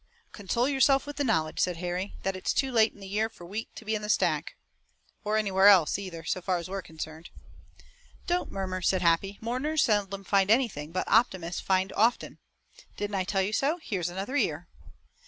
"Console yourself with the knowledge," said Harry, "that it's too late in the year for wheat to be in the stack." "Or anywhere else, either, so far as we're concerned." "Don't murmur," said Happy. "Mourners seldom find anything, but optimists find, often. Didn't I tell you so? Here's another ear."